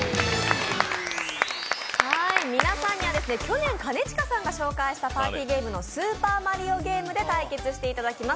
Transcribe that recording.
皆さんには去年兼近さんが紹介したパーティーゲームのスーパーマリオゲームで対決していただきます。